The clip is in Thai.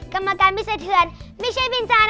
กรรมการพิเศษเถือนไม่ใช่บินจ้านะคะ